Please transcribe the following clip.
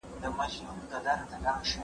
کمپيوټر کمپېن چلوي.